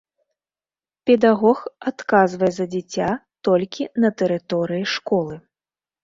Педагог адказвае за дзіця толькі на тэрыторыі школы.